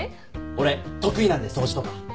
俺得意なんで掃除とか。